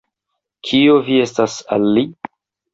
Kio vi estas al li?